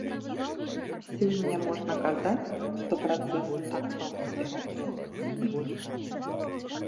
Сёння можна казаць, што працэс адтоку кіроўцаў спыніўся.